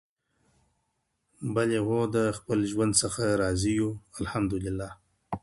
زه به ازموينه په برياليتوب سره ورکړم